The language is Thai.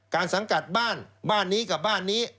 สังกัดบ้านบ้านนี้กับบ้านนี้